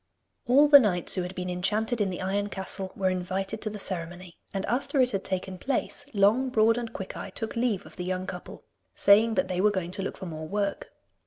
All the knights who had been enchanted in the Iron Castle were invited to the ceremony, and after it had taken place, Long, Broad, and Quickeye took leave of the young couple, saying that they were going to look for more work.